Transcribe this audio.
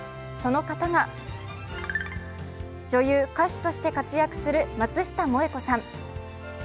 その方が、女優、歌手として活躍する松下萌子さん。